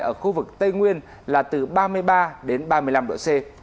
ở khu vực tây nguyên là từ ba mươi ba đến ba mươi năm độ c